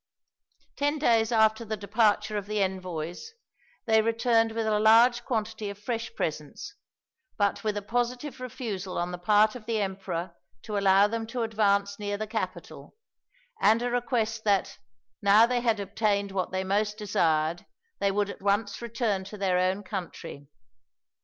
Ten days after the departure of the envoys they returned with a large quantity of fresh presents, but with a positive refusal on the part of the emperor to allow them to advance near the capital, and a request that, now they had obtained what they most desired, they would at once return to their own country.